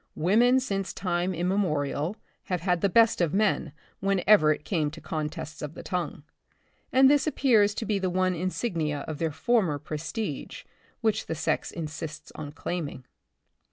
Women since time immemorial, have had the best of man whenever it came to con tests of the tongue, and this appears to be the one insignia of* their former prestige which the sex insists on claiming.